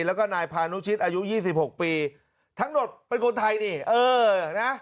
แล้วก็นายพานุชิตอายุยี่สิบหกปีทั้งหมดเป็นคนไทยนี่เออนะ